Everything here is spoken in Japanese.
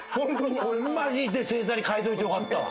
俺マジで正座に変えといてよかったわ。